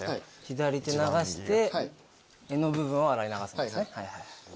左手流して柄の部分を洗い流すんですね。